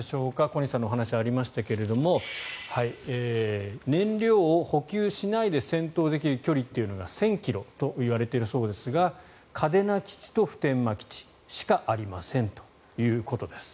小西さんのお話にありましたが燃料を補給しないで戦闘できる距離というのが１０００ｋｍといわれているそうですが嘉手納基地と普天間基地しかありませんということです。